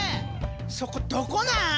そこどこなん？